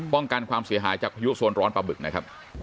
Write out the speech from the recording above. ป้องกันความเสียหายจากพายุโซนร้อนปลาบึกนะครับ